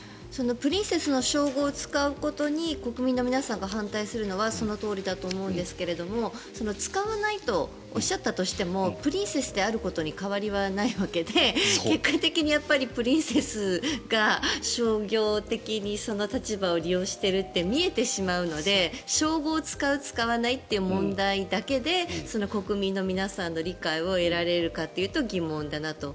プリンセスの称号を使うことに国民の皆さんが反対するのはそのとおりだと思うんですが使わないとおっしゃったとしてもプリンセスであることに変わりはないわけで結果的にプリンセスが商業的に立場を利用しているって見えてしまうので称号を使う使わないという問題だけで国民の皆さんの理解を得られるかというと疑問だなと。